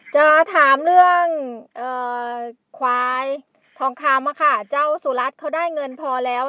จะถามเรื่องเอ่อควายทองคามอะค่ะเจ้าสุรัสตร์เขาได้เงินพอแล้ว